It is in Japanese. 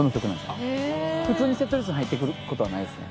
普通にセットリストに入ってくる事はないですね。